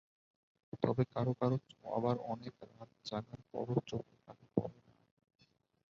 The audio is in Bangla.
তবে কারও কারও আবার অনেক রাত জাগার পরও চোখে কালি পড়ে না।